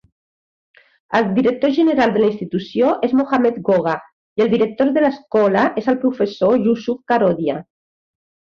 El director general de la institució és Mohamed Goga i el director de l'escola és el professor Yusuf Karodia.